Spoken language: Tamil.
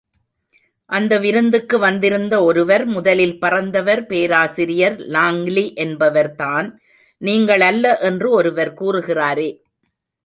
அந்த விருந்துக்கு வந்திருந்த ஒருவர், முதலில் பறந்தவர் பேராசிரியர் லாங்லி என்பவர்தான், நீங்கள் அல்ல என்று ஒருவர் கூறுகிறாரே!